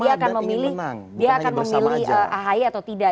dia akan memilih ahi atau tidak